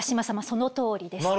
そのとおりです。